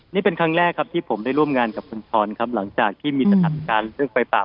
นี่เป็นครั้งแรกครับที่ผมได้ร่วมงานกับคุณพรครับหลังจากที่มีสถานการณ์เรื่องไฟป่า